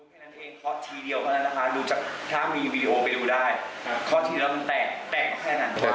อ๋อมันก็พี่ชะลุกเผลอ